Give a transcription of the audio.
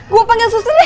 gue panggil susternya